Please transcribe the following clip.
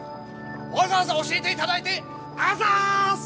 わざわざ教えていただいてあざす！